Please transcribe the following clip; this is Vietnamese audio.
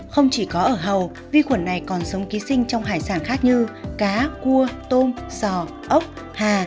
không chỉ có ở hầu vi khuẩn này còn sống ký sinh trong hải sản khác như cá cua tôm sò ốc hà